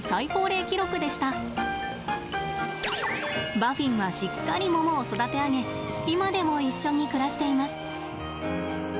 バフィンはしっかりモモを育て上げ今でも一緒に暮らしています。